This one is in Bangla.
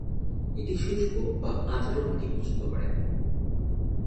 এটি শুষ্ক বা আর্দ্র মাটি পছন্দ করে।